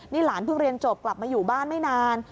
นี่หลานเพิ่งเรียนจบกลับมาอยู่บ้านไม่นาน